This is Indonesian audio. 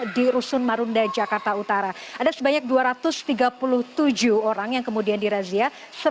di rusun marunda jakarta utara ada sebanyak dua ratus tiga puluh tujuh orang yang kemudian dirazia